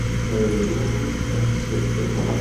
Tayri-w ad tt-teddem.